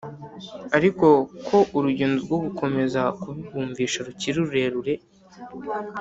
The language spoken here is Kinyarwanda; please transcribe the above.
ariko ko urugendo rwo gukomeza kubibumvisha rukiri rurerure